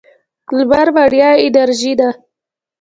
لمر وړیا انرژي ده.